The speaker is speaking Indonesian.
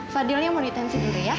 fadilnya mau ditemsi dulu ya